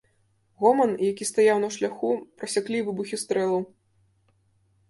Гоман, які стаяў на шляху, прасяклі выбухі стрэлаў.